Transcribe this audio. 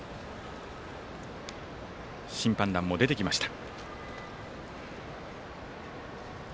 審判団も出てきました。